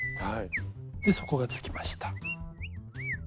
で底がつきました。